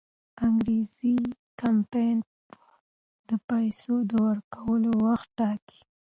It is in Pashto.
انګریزي کمپانۍ به د پیسو د ورکولو وخت ټاکي.